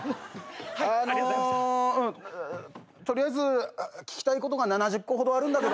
あの取りあえず聞きたいことが７０個ほどあるんだけどもな。